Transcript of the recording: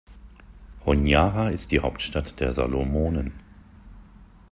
Honiara ist die Hauptstadt der Salomonen.